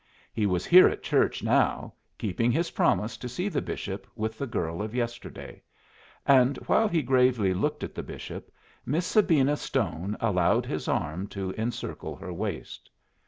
He was here in church now, keeping his promise to see the bishop with the girl of yesterday; and while he gravely looked at the bishop, Miss Sabina Stone allowed his arm to encircle her waist.